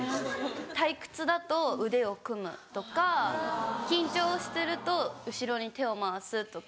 退屈だと腕を組むとか緊張してると後ろに手を回すとか。